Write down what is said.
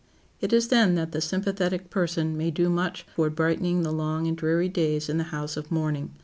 It is then that the sympathetic person may do much toward brightening the long and dreary days in the house of mourning.